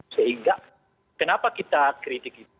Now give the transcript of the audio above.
sehingga kenapa kita kritik itu